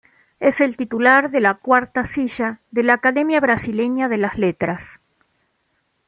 Es el titular de la cuarta silla de la Academia Brasileña de las Letras.